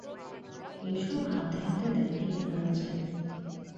এইসব হাতে হাতে দেখাইয়া দেওয়া যায়।